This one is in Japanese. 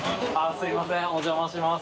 すいませんお邪魔します。